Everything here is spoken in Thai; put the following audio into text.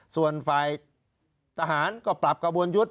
ส่วนฝ่ายทหารก็ปรับกระบวนยุทธ